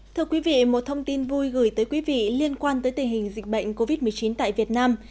thưa quý vị một thông tin vui gửi tới quý vị liên quan tới tình hình dịch bệnh covid một mươi chín tại việt nam